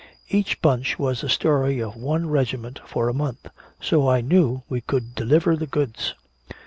Each bunch was the story of one regiment for a month. So I knew we could deliver the goods!